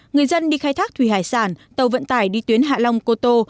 người dân đi khai thác thuê hải sản tàu vận tài đi tuyến hạ long cô tô